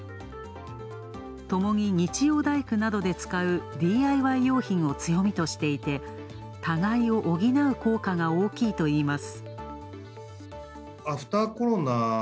ともに日曜大工などで使うＤＩＹ用品を強みとしていて、互いを補う効果が大きいといいます。